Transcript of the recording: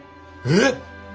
「えっ！」